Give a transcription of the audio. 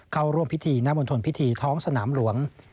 เข้าร่วมพิธีณมณฑลพิธีท้องสนามหลวง